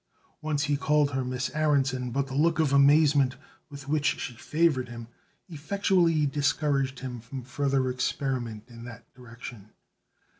Once he called her Miss Aaronson, but the look of amazement with which she favored him effectually discouraged him from further experiment in that direction.